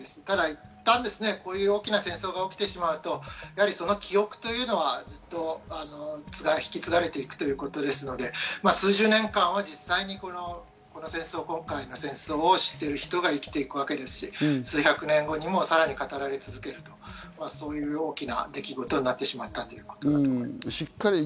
ただこういう大きな戦争が起きてしまうと、その記憶というのは引き継がれていくということですので、数十年間は実際にこの今回の戦争を知っている人が生きていくわけですし、数百年後にも、さらに語られ続けるとそういう大きな出来事になってしまったということだと思います。